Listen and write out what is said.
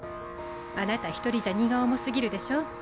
あなた一人じゃ荷が重過ぎるでしょ？